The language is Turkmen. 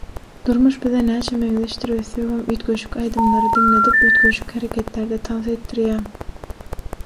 Durmuş bize näçe meňzeşdir öýtsegem üýtgeşik aýdymlary diňledip üýtgeşik hereketlerde tans etdirýär.